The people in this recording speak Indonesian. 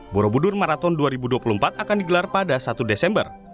borobudur marathon dua ribu dua puluh empat akan digelar pada satu desember